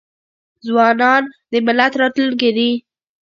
ځوانان د ملت راتلونکې دي.